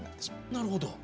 なるほど。